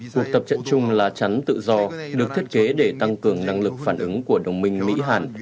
cuộc tập trận chung lá chắn tự do được thiết kế để tăng cường năng lực phản ứng của đồng minh mỹ hàn